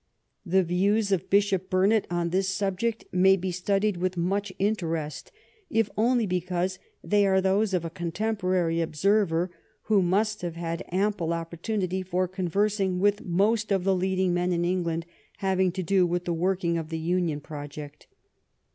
The views of Bishop Burnet on this subject may be studied with much interest, if only because they are those of a contemporary observer who must have had ample op portunity of conversing with most of the leading men in England having to do with the working of the union project.